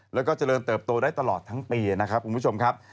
แล้วก็เจริญเติบโตได้ตลอดทั้งปีนะครับคุณผู้ชมครับ